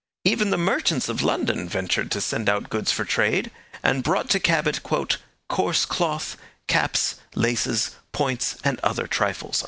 Even the merchants of London ventured to send out goods for trade, and brought to Cabot 'coarse cloth, caps, laces, points, and other trifles.'